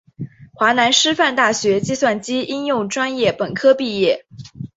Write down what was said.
华南师范大学计算机应用专业本科毕业。